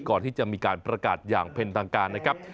ก่อนที่จะมีการประกาศอย่างเป็นทางการนะครับ